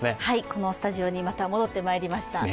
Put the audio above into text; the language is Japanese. このスタジオにまた戻ってまいりました。